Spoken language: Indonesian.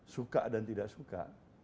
suka dan tidak suka